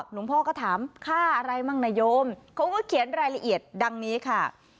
หลวงพ่อก็ถามค่าอะไรบ้างนะโยมเขาก็เขียนรายละเอียดดังนี้ค่ะ